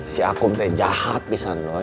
si akum teh jahat bisa lo doi